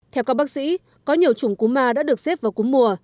theo các bác sĩ có nhiều chủng cú ma đã được xếp vào cú mùa